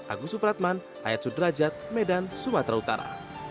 agus supratman ayat sudrajat medan sumatera utara